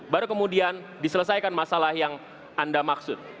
baru kemudian diselesaikan masalah yang anda maksud